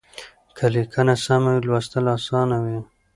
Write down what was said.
که ليکنه سمه وي لوستل اسانه وي.